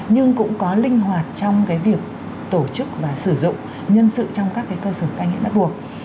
nhưng cũng có linh hoạt trong cái việc tổ chức và sử dụng nhân sự trong các cái cơ sở ca nhiễm bắt buộc